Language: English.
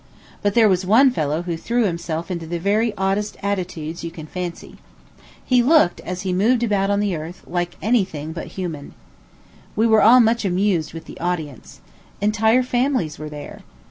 But there was one fellow who threw himself into the very oddest attitudes you can fancy. He looked, as he moved about on the earth, like any thing but a human. We were all much amused with the audience. Entire families were there.